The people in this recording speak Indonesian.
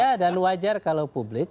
ya dan wajar kalau publik